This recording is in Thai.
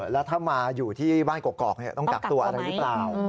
แล้วถ้ามาอยู่ที่บ้านกอกต้องกักตัวอะไรหรือเปล่า